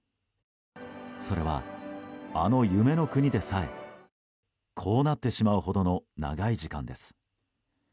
それは、あの夢の国でさえこうなってしまうほどの長い時間です。